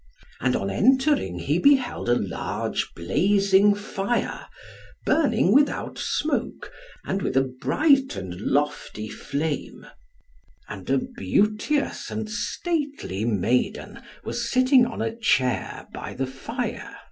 And on entering, he beheld a large blazing fire, burning without smoke, and with a bright and lofty flame, and a beauteous and stately maiden was sitting on a chair by the fire.